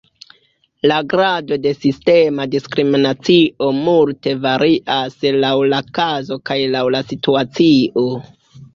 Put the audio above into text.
La grado de sistema diskriminacio multe varias laŭ la kazo kaj laŭ la situacio.